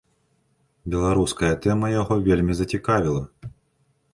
Беларуская тэма яго вельмі зацікавіла.